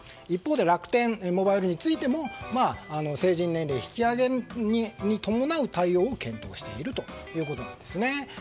一方で楽天モバイルについても成人年齢引き上げに伴う対応を検討しているということです。